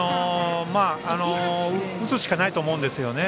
打つしかないと思うんですよね。